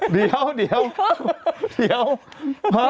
เดี๋ยวเดี๋ยวเดี๋ยว